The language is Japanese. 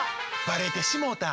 バレてしもうた！